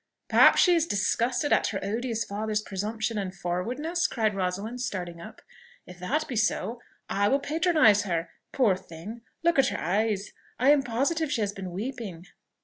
"Perhaps she is disgusted at her odious father's presumption and forwardness?" cried Rosalind, starting up. "If that be so, I will patronise her. Poor thing! look at her eyes; I am positive she has been weeping."